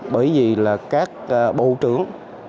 bởi vì là các bộ trưởng